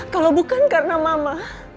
kalau bukan karena mama